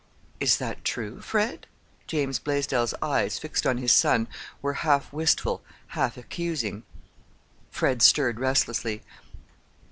"Is that true, Fred?" James Blaisdell's eyes, fixed on his son, were half wistful, half accusing. Fred stirred restlessly.